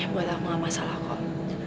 buat aku gak masalah kok